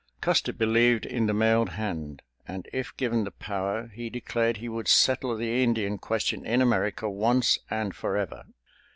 Custer believed in the mailed hand, and if given the power he declared he would settle the Indian Question in America once and forever.